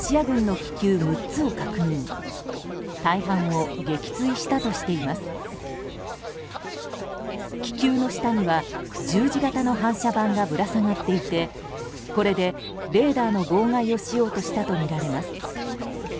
気球の下には、十字型の反射板がぶら下がっていてこれで、レーダーの妨害をしようとしたとみられます。